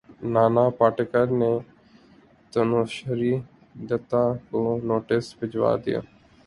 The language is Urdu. نانا پاٹیکر نے تنوشری دتہ کو نوٹس بھجوا دیا